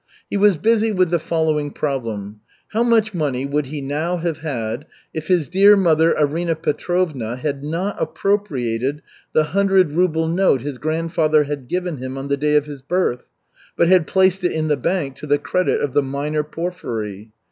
He was busy with the following problem: How much money would he now have had, if his dear mother Arina Petrovna had not appropriated the hundred ruble note his grandfather had given him on the day of his birth, but had placed it in the bank to the credit of the minor Porfiry?